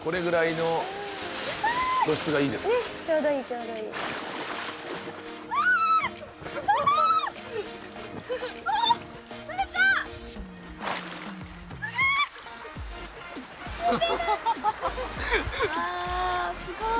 うわすごい。